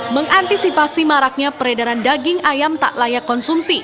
mengantisipasi maraknya peredaran daging ayam tak layak konsumsi